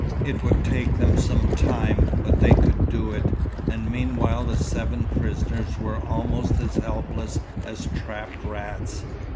It would take them some time, but they could do it, and meanwhile the seven prisoners were almost as helpless as trapped rats.